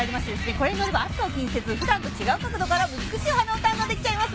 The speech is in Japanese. これに乗れば暑さを気にせず普段と違う角度から美しいお花を堪能できちゃいます。